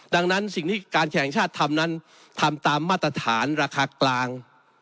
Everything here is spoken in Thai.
ดังนั้นสิ่งที่การแข่งชาติทำนั้นทำตามมาตรฐานราคากลาง